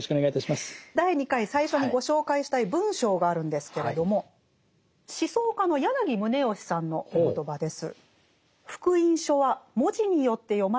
第２回最初にご紹介したい文章があるんですけれども思想家の柳宗悦さんのお言葉です。